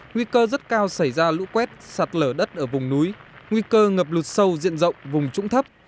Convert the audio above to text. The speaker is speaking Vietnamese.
nguy cơ rất cao xảy ra lũ quét sạt lở đất ở vùng núi nguy cơ ngập lụt sâu diện rộng vùng trũng thấp